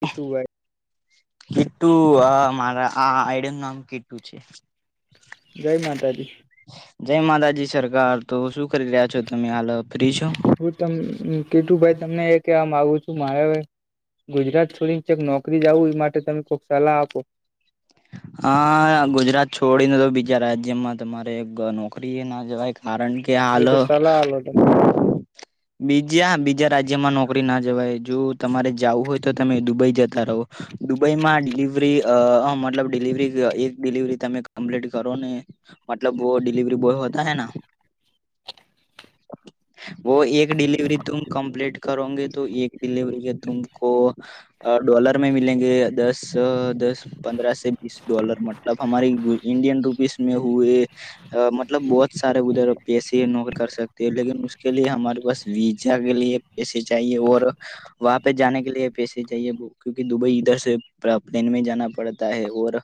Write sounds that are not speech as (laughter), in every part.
એી ટુ વાય કેટુ મારા આ આઈડન નામ કેટુ છે જય માતા દ જય માતાજી સરકાર તો શું કરી રહ્યા છો તમે હાલ ફ્રી છો હું તમ કીટુ ભાઈ તમને એ કેવા માગુ છું માર્યા ભાઈ ગુજરાત છોડી ને ચક નોકરી જાવું એ માટે તમે કોઈક સલાહ આપો હા ગુજરાત છોડીને તો બીજા રાજ્યમાં તમારે નોકરી ના જવાય કારણ કે હાલ એ તો સલાહ આલો તમે બીજા બીજા રાજ્યમાં નોકરી ના જવાય જો તમારે જવું હોય તો તમે દુબઈ જતા રહો દુબઈમાં ડિલિવરી અ મતલબ ડિલિવરી એક ડિલિવરી તમે કમ્પ્લીટ કરો ને મતલબ વ ડિલીવરી બોય હોતા હૈ ના વ એક ડિલીવરી તુમ કમ્પ્લીટ કરોગે તો એક ડિલીવરી કે તુમ કો ડોલર મે મલગે દસ દસ પંદ્ર બીસ ડોલર મતલબ હમા ઇન્ડિયન રૂપીસ મે હએ અ મતલબ બહુત સારા ઉધર પેસે નોકરી કર સકતી લકકે લ હમા પાસ વીઝા કે લ એસી ચાએ ઓ વાપસ જાને કે લ પેસે જઈએ કુકી દુબઈ ધર પ્લેન જ પડત ઓર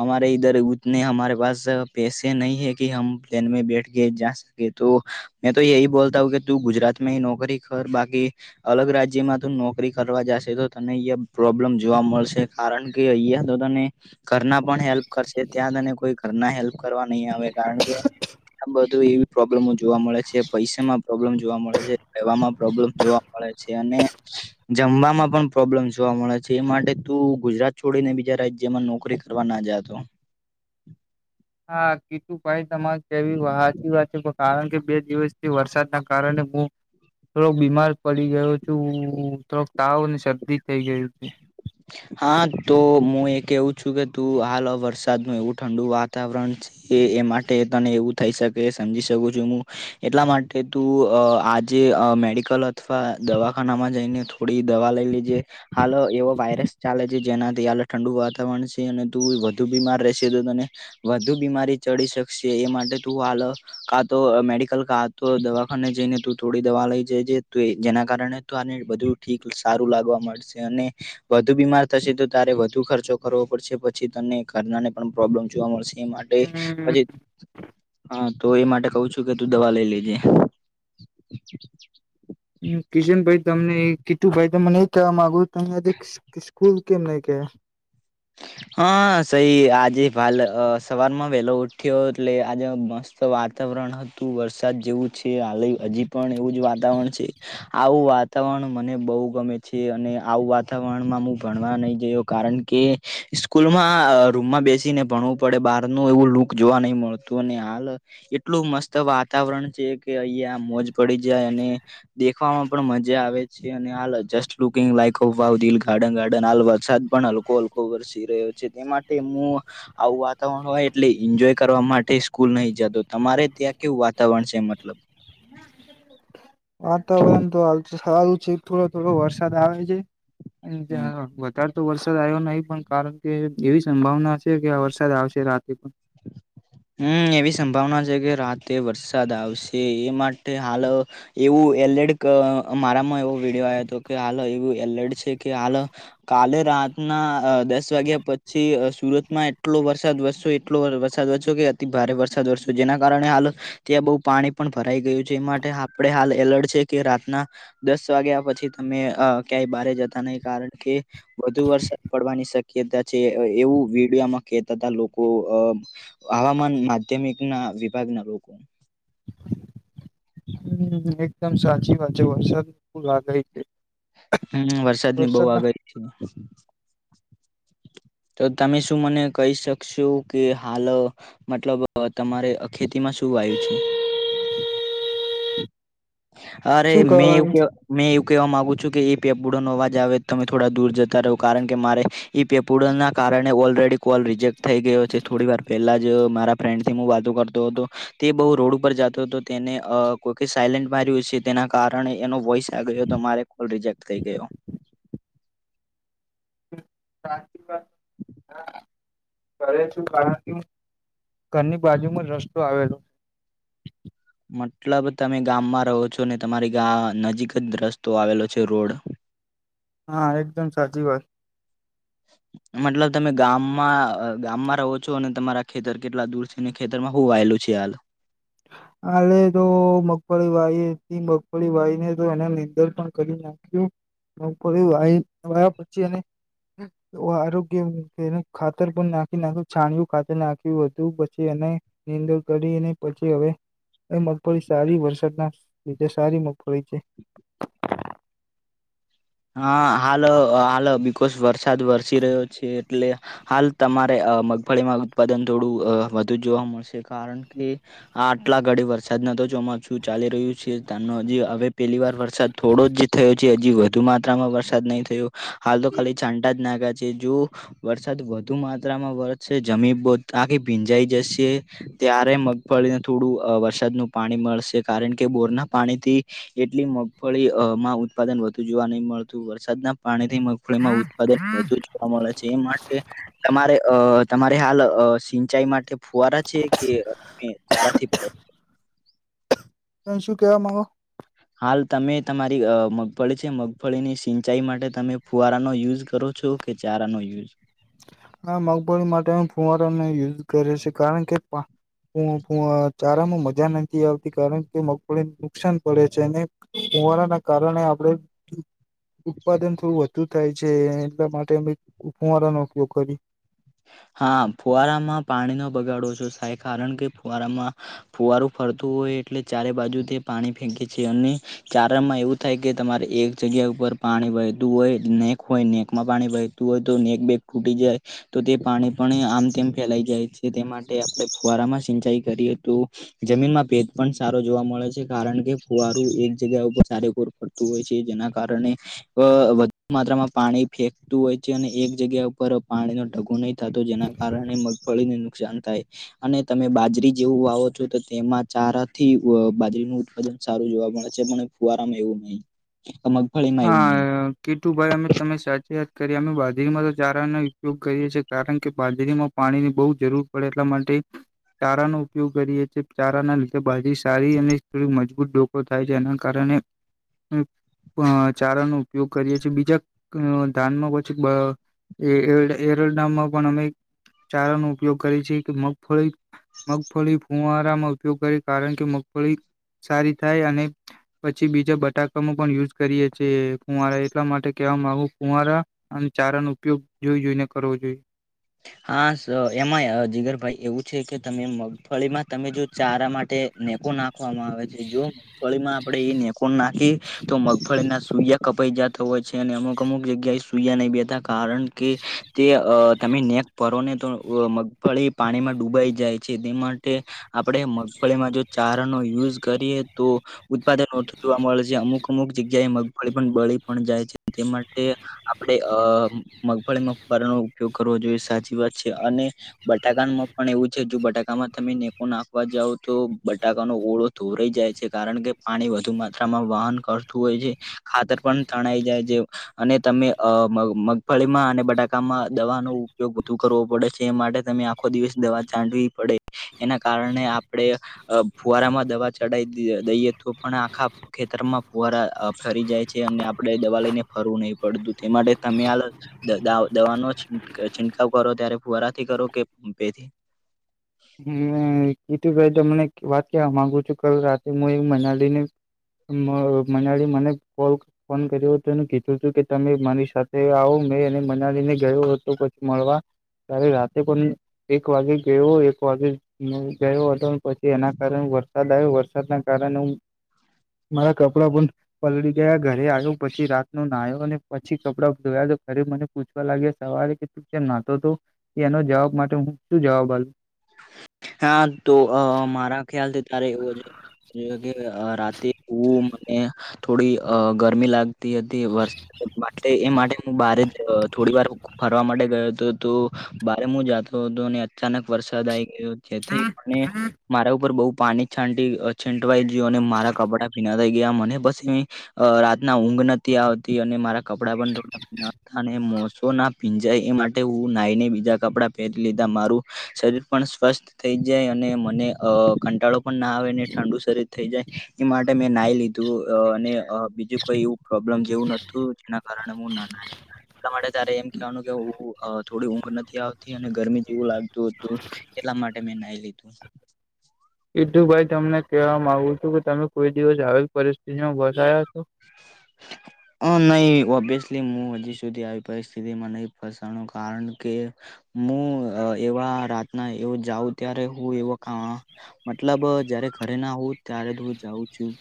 હમારે ધર ઉતને હરે પાસે પૈસે નહી હૈ કે હમ પ્લેન બેઠ ગ જ તો મેં તો હી બોલતા હું કે તું ગુજરાત મે નોકરી કર બાકી અલગ રાજ્યમાં તો નોકરી કરવા જશે તો તને અહીંયા પ્રોબ્લેમ જોવા મળશે કારણ કે અહિયાંયા તો તને ઘરના પણ હેલ્પ કરશે ત્યાં તને કોઈ ઘરના હેલ્પ કરવા નહીં આવે કારણ કે મ બધું એવી પ્રોબ્લેમો જોવા મળે છે પૈસા માં પ્રોબ્લેમ જોવા મળે છે પમાં પ્રોબ્લેમ જોવા હળ છે અને અનેને જમવાવામાં પણ પ્રોબ્લેમ જોવા મળે છે એ માટે તું ગુજરાત છોડીને બીજા રાજ્ય જેમાં નોકરી કરવા ના જતો હા કીતુ ભાઈ તમારે કેવી સાચી વાત છે કારણ કે બે દિવસ વરસાદના કારણે હું થોડોક બીમાર પડી ગયો છું થોડોક તાવ અને શરદી થઈ ગયું છું અચા હા તો હું એ કેવું છું કે તું હાલ વરસાદ ન એવું ઠંડુ વાતાવરણ છે એ એ માટે તને એવું થઈ શકે સમજી શકું છું હું એટલા માટે તું આજે મેડિકલ અથવા દવાખાનામાં જઈને થોડી દવા લઈ લજે હાલો એવો વાયરસ ચાલે છે જેનાથી હાલ ઠંડુ વાતાવરણ છે અને તું વધુ બીમાર રહેશે તોને વધુ બીમારી ચડી શકશે એ માટે તું હાલ કા તો મેડિકલ કા તો દવાખાને જઈને તું થોડી દવા લઈ જાયજે જેના કારણે તો આને બધું ઠીક સારું લાગવા મળશે અને વધુ બીમાર થશે તો તારે વધુ ખર્ચો કરવો પડશે પછી તમને ઘરનાને પણ પ્રોબ્લેમ જોવા મળશે એ માટે હમ પછી હા તો એ માટે કઉ છું કે તું દવા લઈ લેજે કિશન ભાઈ તમને કીતુ ભાઈ તમને એ કવા માગુયા સ્કૂલ કેમ નહી કે હા સઈ આજે વાાલ સવારમાં વેલો ઉઠ્યો એટલે આજે મસ્ત વાતાવરણ હતું વરસાદ જેવું છે હલ હજીબ પણ એવું જ વાતાવરણ છે આવું વાત વાતાવરણ મને બહુ ગમે છે અને આવું વાતાવરણમાં હું ભણવા નહી ગયો કારણ કે સ્કૂલમાં રૂમમાં બેસીને ભણવું પડે બહાર નું એવું લુક જોવા નહી મળતું અને હાલ એટલું મસ્ત વાતાવરણ છે કે અહિયાંયા મોજ પડી જાય અને દેખવામાં પણ મજા આવે છે અને હાલ જસ્ટ લુકિંગ લાઈકભાલ ગાર્ડન ગાર્ડન હાલ વરસાદ પણ હલકો હલકો વરસી રહ્યો છે તે માટે હું આવું વાતાવરણ હોય એટલે એન્જોય કરવા માટે સ્કૂલ નહી જતો તમારે ત્યાં કેવું વાતાવરણ છે મતલબ વાતાવરણ તો હાલ તો સવા ઉચિત થોડો થોડો વરસાદ આવે હમ છે્યાં વધ તો વરસાદ આવ્યો નહી પણ કારણ કે એવી સંભાવના છે કે આ વરસાદ આવશે રાતે પણ હમ એવી સંભાવના છે કે રાતે વરસાદ આવશે એ માટે હાલ એવું એલડ મારામાં એવો વિડિયો આવયો હતો કે હાલ એવું એલડ છે કે હાલ કાલે રાતના દસ વાગ્યા પછી સુરતમાં એટલો વરસાદ વરસ એટલો વરસાદ વ કે અતિ ભારે વરસાદ વરસ્યો જેના કારણે હાલ ત્યાં બહુ પાણી પણ ભરાઈ ગયું છે એ માટે આપણે હાલ એલર્ટ છે કે રાતના દસ વાગ્યા પછી તમે ક્યાંય બારે જતા નહ કારણ કે વધુ વરસાદ પડવાની શક્યતા છે એવું વિડયોમાં કેતા હતા લોકો હવામાન માધ્યમિક ના વિભાગના લોકો હ એકદમ સાચી વાત છે વરસાદુ લાગાય છે હમ વરસાદની બહ વરસાદના આગળ છે તો તમે શું મને કહી શકશો કે હાલ મતલબ તમારે ખેતીમાં શું વાયુ છે અરે શું મેં એવું કહેવાનું કેવા મેં એવું કહેવા માંગુ છું કે એ પેપુડો ન અવાજ આવે તમે થોડા દૂર જતા રહો કારણ કે મારે પેપુડના કારણે ઓલરેડી કોલ રિજેક્ટ થઈ ગયો છે થોડી વાર પહેલા જ મારા ફ્રેન્ડ થી વાતો કરતો હતો તે બહ રોડ ઉપર જતો હતો તેને કોઈ સાયન્ટ માર્યું છે તેના કારણે એનો વોઈસ આ્યો તો મારે કોલ રિજેક્ટ થઈ ગયો હા કર છું કારણ કે ઘરની બાજુમાં જ રસ્તો આવેલો મતલબ તમે ગામમાં રહો છો ને તમારી ગા નજીક જ રસ્તો આવેલો છે રોડ હા એકદમ સાચી વાત મતલબ તમે ગામમાં ગામમાં રહો છો અને તમારા ખેતર કેટલા દૂર છે ખેતરમાં હું વાયેલું છે હાલ હાલે તો મગફળી વાહી મગફળી વાહીને તો એને નીંદર પણ કરી નાખ પછી એ આરોગ્ય ખાતર પણ નાખી નાખ છાણયું ખાતર નાખ્યું બું પછી એને નીંદુ કરી અને પછી હવે એ મગફળી સારી વરસાદના લીધે સારી મગફળી છે હા હાલ હાલ અ બિકોશ વરસાદ વરસી રહ્યો છે એટલે હાલ તમારે મગફળીમાં ઉત્પાદન થોડું વધુ જોવા મળશે કારણ કે આ આટલા ઘડી વરસાદ ન તો ચોમાસુ ચાલી રહ્યું છે તાનો હજુ હવે પેલી વાર વરસાદ થોડો જ જે થયો છે હજી વધ વધુ માત્રામાં વરસાદ નહી થયો હાલ તો ખાલી છાંટા જ નાખ્યા છે જો વરસાદ વધુ માત્રામાં વરશે જમી બ આખી ભીંજાઈ જશે ત્યારે મગફળીને થોડું વરસાદનું પાણી મળશે કારણ કે બોરના પાણીથી એટલી મગફળી માં ઉત્પાદન વધ જોવા નહી મળતું વરસાદના પાણી થી મગફળીમાં ઉત્પાદન વધુ જોવા મળે છે એ માટે તમારે અ તમારે હાલ અ સિંચાઈ માટે ફુઆરા છે કે તમે ક્યારા થી તમે શું કેવા માગો હાલ તમે તમારી મગફળી છે મગફળીની સિંચાઈ માટે તમે ફુવારાનો યુઝ કરો છો કે ચારાનો યુઝ આ મગફળી માટે ફુવારાને યુઝ કરે છે, કારણ કે પા પૂ પૂ અ ચારામાં મજા નથી આવતી કારણ કે મગફળીને નુકસાન પડે છેને. કુવારા ના કારણે આપણેે ઉત્પાદન થોડું વધુ થાય છે એટલા માટે ફુંવારાનોો ઉપયોગ કરી હા ફુવારામાં પાણીનો બગાડો શો થાય કારણ કે ફુવારામા ફુવારું ફરતું હોય એટલે ચારે બાજુ તે પાણી ફેંકે છે, અને ચારણમાં એવું થાય કે તમારે એક જગ્યા ઉપર પાણી વહેતું હોય નેક હોય નેક માં પાણી વ તું હોય તો નેક બેેગ ફૂટી જાય. તો તે પાણી પણ આમતે ફેલાઈ જાય છે, તે માટે આપણે ફુવારામાં સિંચાઈ કરીએ તો જમીન માં ભેજ પણ સારો જોવા મળે છે કારણ કે ફુવારું એક જગ્યા ઉપર ચારેકોર તું હોય છે, જેના કારણે અ વધુ માત્રામાં પાણી ફેંકતું હોય છે, અને એક જગ્યા ઉપર પાણી ન ધગુ નહી થતો જેના કારણે મગફળીને નુકસાન થાય. અને તમે બાજરી જેવું વાવો છો તો તેમાં ચારા થી બાજરીનું ઉત્પાદન સારું જોવા મળે છે, પણ ફુરામાં એવું નહી હા કેટુ ભાઈ અમે તમે સાચી યાદ કરીએ અમે બાજરીમાં તો ચારાનો ઉપયોગ કરીએ છીએ કારણ કે બાજરીમા પાણી ની બહુ જરૂર પડે એટલા માટે ચારાનો ઉપયોગ કરીએ છીએ ચારા ના લીધે બાજરી સારી અને થોડી મજબૂત ડોકો થાય છે એના કારણે અ ચારાનો ઉપયોગ કરીએ છીએ બીજા ધાનમાં પછી. એ એ એરોડામાં પણ અમે ચારા ન ઉપયોગ કરીએ છીએ કે મગફળી મગફળી ફૂવારામાં ઉપયોગ કરીે કારણ કે મગફળી સારી થાય અને પછી બીજા બટાકામાં પણ યુઝ કરીએ છ છે, કુવારા એટલા માટે કેહેવામાં આવ કુવારા આમ ચારા ન ઉપયોગ જોઈ જોઈ ને કરવો જોઈએ હા એમાં જીગરભાઈ એવું છે, કે તમે મગફળીમાં તમે જો ચારા માટે નેકો નાખવામાં આવે છે જો મગફળીમાં આપડે એ નેકો નાખી તો મગફળી ના સૂ કપાઈ જતો હોય છે અને અમુક અમુક જગ્યાએ સૂયા નહી બેતાા કારણ કે તે તમે નેક ભારો ને તો મગફળી પાણીમાં ડૂબાઈ જાય છે, તે માટે આપડે મગફળીમાં જો ચારા નો યુઝ કરીએ તો ઉત્પાદન ઓછું જોવા મળે છે અમુક અમુક જગ્યાએ મગફળી પણ બળી પણ જાય છે, તે માટે આપણેે અ મગફળીમાં ફરનો ઉપયોગ કરવો જોઈએ સાચી વાત છે, અને બટાકામાં પણ એવું છે જો બટાકામાં તમે નેકો નાખવા જાવ તો બટાકાનો ઓળો ધોરઈ જાય છે કારણ કે પાણી વધુ માત્રામાં વહન કરતું હોય છે. ખાતર પણ તણાઈ જાય છે, અને તમે અ મગફળીમાં અને બટાકામા દવા નો ઉપયોગ વધધુ કરવો પડે છે, એ માટે તમે આખો દિવસ દવા ચાડવી પડે એના કારણે આપણે ફુવારામાં દવા ચઢાવ દઈએ તો પણ આખા ખેતરમાં ફુવારા ફરી જાય છે અને આપડણે દવા લઈને ફરવું નહીં પડતું તે માટે તમે આ દવા ન છિટકાવ કરો ત્યારે ફુરાથી કરો કે પેથી હમ કીતું ભાઈ તમને વાત ક માગુ છુ, કાલ રાતે હું એક મહિના લ ને મજડી મને કોલ ફોન કર્યો હતો અને કીધું હતું કે તમે મારી સાથે આવો મેં અને મનાલીને ગયો હતો પછી મળવા ત્યારે રાતે પણ એક વાગે ગયોયો ગયો હતો પછી એના કારણે વરસાદ આવ્યો વરસાદના કારણે હુ મારા કપડા પણ પલળી ગયા ઘરે આવ્યો પછી રાતનો નાહ્યો અને પછી કપડાં ધોયા તો ઘરે મને પૂછવા લાગ્યા સવારે કે જેમ, નાતો તો એનો જવાબ માટે હુ શુ જવાબલુ હા તો મારા ખ્યાલથી ત્યારે એવો છે. જે કે અ રાતે ઓ એ થોડી અ ગરમી લાગ હતી વરસાદ એ માટે હું બારે જ થોડી વાર ફરવા માટે ગયો હતો. તો બારે હું જતો હતો અને અચાનક વરસાદ આ ગયો જેથી. મારા ઉપર બઉુ પાણી છાંટી છંટવાઈ ગયું અને મારા કપડાં પીના. ગયા મને પછી રાતના ઊંઘ નથી આવતી અને મારા કપડા પણો. મોસો ના પીંજાય એ માટે હું નાઈને બીજા કપડા પહેરી લીધા મારું શરીર. પણ સ્વસ્થ થઈ જાય અને મને અ કંટાળો પણ ના આવે ને ઠંડુ શરીર થઈ જાય. એ માટે મેં નાઈ લીધું અને બીજું કોઈ એવું પ્રોબ્લમ જેવું નતું જેના કારણે ના ના. એટલા માટે તારે એમ કેવાનું કે થોડી ઊંઘ નથી આવતી અને ગરમી જેવું લાગતું હતું. એટલા માટે મેં ન લીધું. ઈટુ ભાઈ તમને કહેવા માગુ છું કે તમે કોઈ દિવસ આવી પરિસ્થિતિમાં વસાયા છો. (inaudible) (inaudible) અ નહી ઓબ્વિયસલી હું હજી સુધી આવી પરિસ્થિતિમાં નહી ફસાણ કારણ કે. હું એવા રાતના એ જાઉં ત્યારે હું એવ. મતલબ જયારે ઘરે ના હોઉ ત્યારે હું જાઉં છું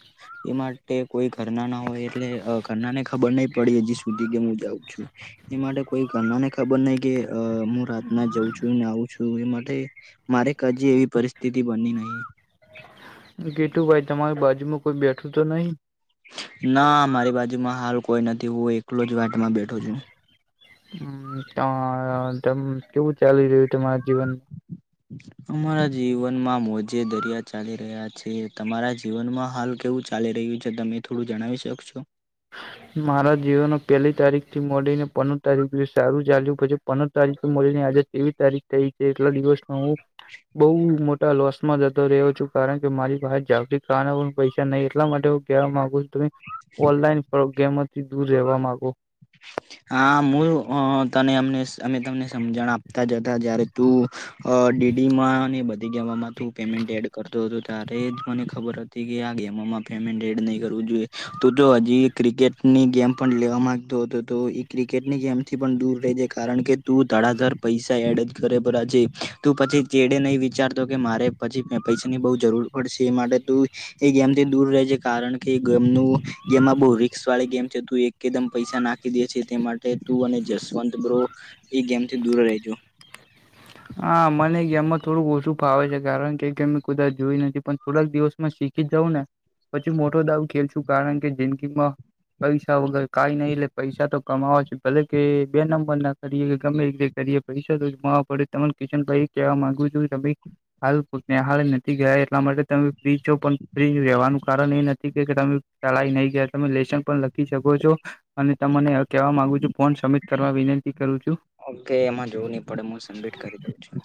એ માટે કોઈ. કરના ના હોય એટલે કરના ને ખબર નહી પડી હજી સુધી કે હું જાઉં છું. એ માટે કોઈ ઘનાને ખબર નહ કે હું રાતના જઉં છુંને આવું છું એ માટે. મારે કજી એવી પરિસ્થિતિ બની નહી. ગીટુ ભાઈ તમારી બાજુમાં કોઈ બેઠું તો નહી. ના મારી બાજુમાં હાલ કોઈ નથી હું એકલો જ વાટમાં બેઠો છું. તમ કેવું ચાલી રહ્યું તમારા જીવન. (inaudible) અમારા જીવનમાં મોજે દરિયા ચાલી રહ્યા છે તમારા જીવનમાં હાલ કેવું. ચાલી રહ્યું છે તમે થોડું જણાવી શકશો. મારા જીવન પહેલી તારીખ થી મળડીને પંદર તારીખ સારું ચાલ્યું પછી પંદર તારીખ થી મળડીને આજે. એવી તારીખ થઈ છે એટલા દિવસમાં હું બઉ મો. સમાં જતો રહ્યો છું કારણ કે મારી પાસે જાગતીિક કાર પૈસા નહીં એટલા માટે હું કહેવા માંગુ છુ. ત ઓનલાઈન ગેમથી દૂર રહેવા માંગો. હા હું તને અમને અમે તમને સમજણ આપતા જ હતા જયારે તું. અ ડીડી માં ને બધી ગવામાં તું પેમેન્ટ એડ કરતો હતો ત્યારે જ મને ખબર હતી. કે આ ગેમોમાં પેમેન્ટ એડ નહીં કરવું જોઈએ તો જો હજી ક્રિકેટની ગેમ પણ લેવા માંગતો હતો. તો એ ક્રિકેટની ગેમથી પણ દૂર રજ કારણ કે તું ધડાધાર પૈસા એડ જ કરે ભરા છે. તું પછી ચેડે નહીં વિચારતો કે મારે પછી પૈસાની બહુ જરૂર પડશે એ માટે તું. એ ગેમથી દૂર રહે છે કારણ કે ગેમ ન ગેમમાં બહુ રિક્સ વાળી ગેમ છે તું એકદમ પૈસા નાખ. દે છે તે માટે તું અને જસવંત બ્રો એ ગેમ થી દૂર રહીજો. હા મને ગેમમાં થોડુંક ઓછું ફાવે છે કારણ કે ગેમે કુદાચ જોઈ નથી પણ. થોડાક દિવસમાં શીખી જઉં ને પછી મોટો દાવ ખેલશું કારણ કે જિંદગીમાં. પૈસા વગર કઈ નઈિ એટલે પૈસા તો કમાવો છે ભલે કે બે નંબર ના. કે ગમે રીતે કરી પિસાદ પડે તેમ કિશન ભાઈ કેવા માંગુ છું કે (unintelligible) ચાલા નહી ગયા તમે લેશન પણ લખી શકો છો અને તમને કેવા માંગુ છું ફોન સબમિટ કરવા વિનંતી કરું છું ઓકે એમાં જોવું નહી પડે હું સબમિટ કરી દઉં છું